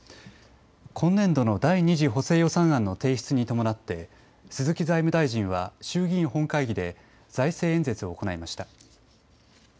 今年度の第２次補正予算案の提出に伴って鈴木財務大臣は衆議院本会議で財政演説を行いました。